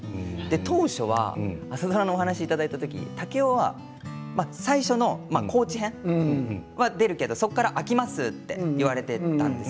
当初は朝ドラのお話いただいた時竹雄は、最初の高知編出るけれどそこから空きますと言われていたんです。